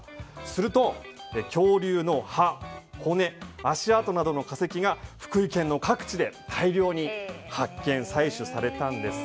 すると恐竜の歯、骨、足跡などの化石が福井県の各地で大量に発見、採取されたんです。